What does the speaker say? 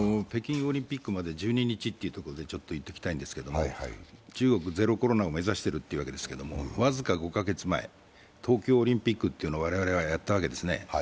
北京オリンピックまで１２日ということで言っておきたいんですけど、中国はゼロコロナを目指してるってわけですが、僅か５カ月前東京オリンピックというのを我々はやったわけですね。